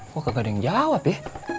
kok gak ada yang jawab ya